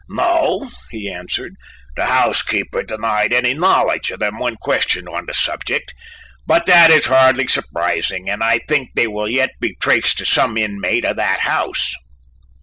"No," he answered, "the housekeeper denied any knowledge of them when questioned on the subject, but that is hardly surprising and I think they will yet be traced to some inmate of that house."